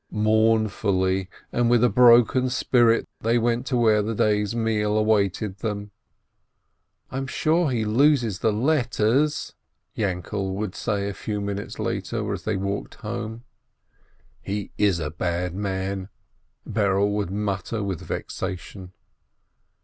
Mournfully, and with a broken spirit, they went to where the day's meal awaited them. "I am sure he loses the letters !" Yainkele would say a few minutes later, as they walked along. "He is a bad man!" Berele would mutter with vex ation.